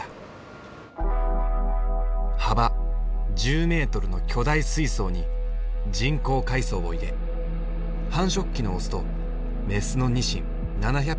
幅１０メートルの巨大水槽に人工海藻を入れ繁殖期のオスとメスのニシン７００匹を飼育。